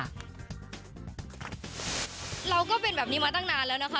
เราก็เป็นแบบนี้มาตั้งนานแล้วนะคะ